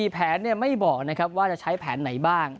แผนไม่บอกนะครับว่าจะใช้แผนไหนบ้าง